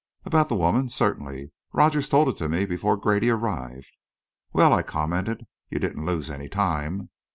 "About the woman? Certainly. Rogers told it to me before Grady arrived." "Well," I commented, "you didn't lose any time."